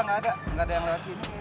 gak ada yang lewat sini